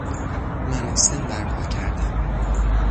مراسم بر پا کردن